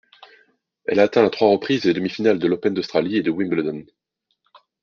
Elle a atteint à trois reprises les demi-finales de l'Open d'Australie et de Wimbledon.